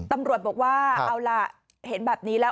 ตำรวจบอกว่าเห็นแบบนี้แล้ว